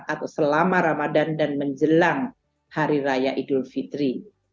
atau selama ramadan dan menjelang hari raya idul fitri